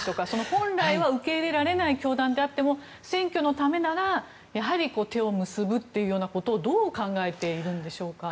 本来は受け入れられない教団であっても選挙のためならやはり手を結ぶということをどう考えているんでしょうか。